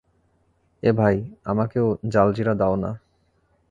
এ ভাই, আমাকেও জালজিরা দেও না?